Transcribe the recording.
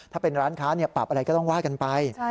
ถ้าเป็นร้านค้าปรับอะไรก็ต้องว่ากันไป